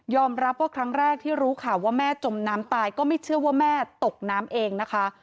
รับว่าครั้งแรกที่รู้ข่าวว่าแม่จมน้ำตายก็ไม่เชื่อว่าแม่ตกน้ำเองนะคะ